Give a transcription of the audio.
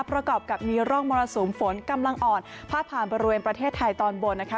ประกอบกับมีร่องมรสุมฝนกำลังอ่อนพาดผ่านบริเวณประเทศไทยตอนบนนะคะ